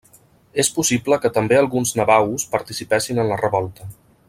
És possible que també alguns navahos participessin en la Revolta.